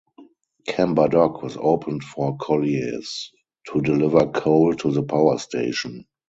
Camber Dock was opened for colliers to deliver coal to the power station.